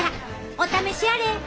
お試しあれ。